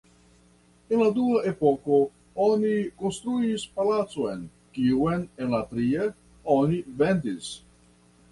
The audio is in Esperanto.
En la dua epoko oni konstruis palacon, kiun en la tria oni vendis.